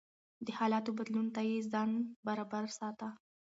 د حالاتو بدلون ته يې ځان برابر ساته.